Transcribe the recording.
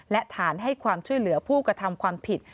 และฐานให้ความช่วยเหลือผู้กระทำความผิด